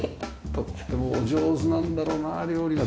とってもお上手なんだろうな料理が。